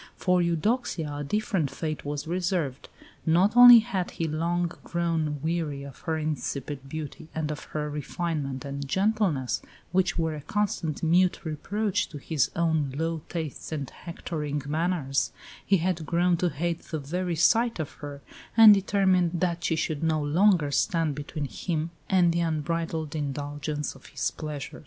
For Eudoxia a different fate was reserved. Not only had he long grown weary of her insipid beauty and of her refinement and gentleness, which were a constant mute reproach to his own low tastes and hectoring manners he had grown to hate the very sight of her, and determined that she should no longer stand between him and the unbridled indulgence of his pleasure.